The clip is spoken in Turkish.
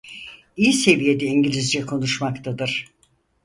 İyi seviyede İngilizce konuşmaktadır.